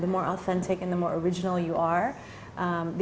semakin autentik dan original anda adalah